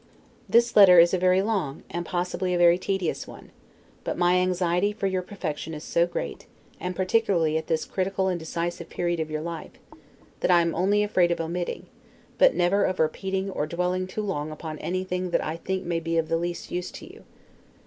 This letter is a very long, and possibly a very tedious one; but my anxiety for your perfection is so great, and particularly at this critical and decisive period of your life, that I am only afraid of omitting, but never of repeating, or dwelling too long upon anything that I think may be of the least use to you.